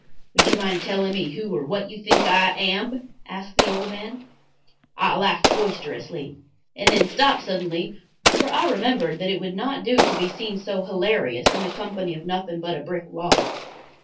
"Would you mind telling me who or what you think I am?" asked the old man. I laughed boisterously and then stopped suddenly, for I remembered that it would not do to be seen so hilarious in the company of nothing but a brick wall.